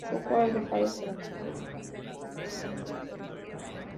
Poco ha dejado trascender, en cambio, sobre su trayectoria vital.